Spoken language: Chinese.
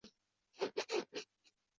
第八层是电梯机房和水箱等用房。